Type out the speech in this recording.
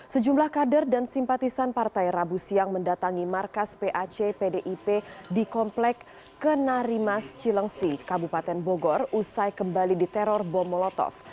sejumlah kader dan simpatisan partai rabu siang mendatangi markas pac pdip di komplek kenarimas cilengsi kabupaten bogor usai kembali diteror bom molotov